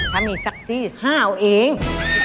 ถ้ามีทรัพย์สิห้าวอีก